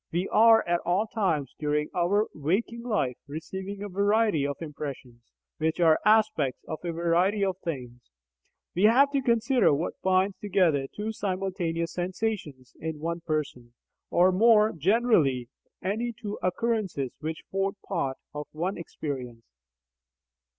We are at all times during our waking life receiving a variety of impressions, which are aspects of a variety of things. We have to consider what binds together two simultaneous sensations in one person, or, more generally, any two occurrences which forte part of one experience.